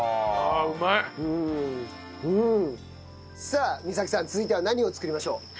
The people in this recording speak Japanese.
さあ美咲さん続いては何を作りましょう？